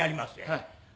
はい。